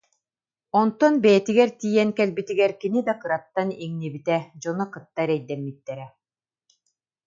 Онтон бэйэтигэр тиийэн кэлбитигэр кини да кыраттан иҥнибитэ, дьоно кытта эрэйдэммиттэрэ